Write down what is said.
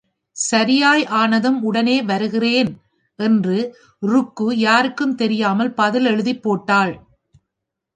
சரியாய் ஆனதும் உடனே வருகிறேன். என்று ருக்கு யாருக்கும் தெரியாமல் பதில் எழுதிப் போட்டாள்.